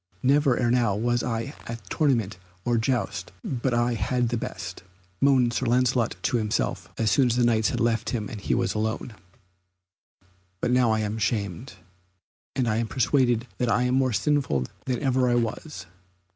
"Never ere now was I at tournament or jousts but I had the best," moaned Sir Lancelot to himself, as soon as the Knights had left him and he was alone. "But now am I shamed, and I am persuaded that I am more sinful than ever I was."